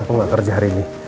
aku nggak kerja hari ini